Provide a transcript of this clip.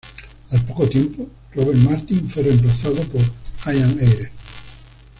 Al poco tiempo, Robert Martin fue reemplazado por Ian Eyre.